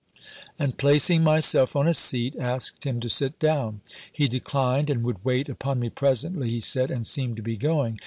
And placing myself on a seat, asked him to sit down. He declined, and would wait upon me presently, he said, and seemed to be going.